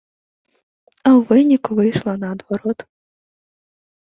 А ў выніку выйшла наадварот.